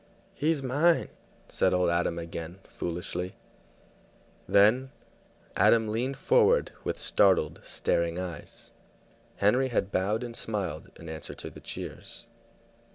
"He's mine!" said old Adam again, foolishly. Then Adam leaned forward with startled, staring eyes. Henry had bowed and smiled in answer to the cheers.